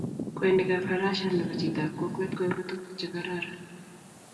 kwenik ab farasiat nebo chito ab kokwet koibu tuguk che kararan